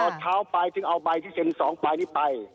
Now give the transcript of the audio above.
พอเท้าไปถึงเอาใบที่เซ็น๒ใบนี้ไป